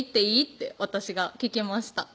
って私が聞きました